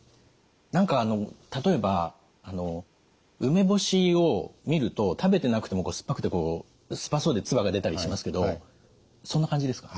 何かあの例えば梅干しを見ると食べてなくてもこう酸っぱそうで唾が出たりしますけどそんな感じですか？